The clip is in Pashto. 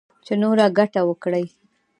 چـې نـوره ګـټـه وكړي.